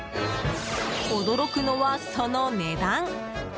驚くのはその値段。